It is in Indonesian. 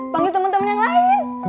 panggil temen temen yang lain